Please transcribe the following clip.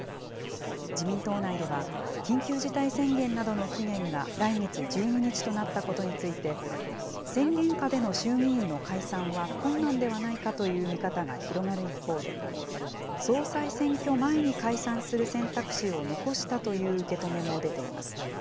自民党内では、緊急事態宣言などの期限が来月１２日となったことについて、宣言下での衆議院の解散は困難ではないかという見方が広がる一方で、総裁選挙前に解散する選択肢を残したという受け止めも出ています。